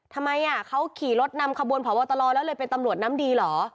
ทำไมเขาขี่รถนำขบวนผอบตรแล้วเลยเป็นตำรวจน้ำดีเหรอ